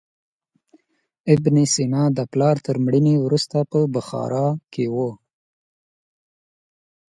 ابن سینا د پلار تر مړینې وروسته په بخارا کې و.